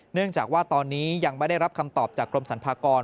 เนื่องจากว่าตอนนี้ยังไม่ได้รับคำตอบจากกรมสรรพากร